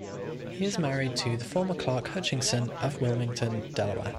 He is married to the former Clarke Hutchinson of Wilmington, Delaware.